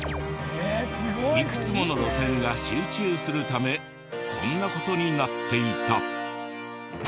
いくつもの路線が集中するためこんな事になっていた。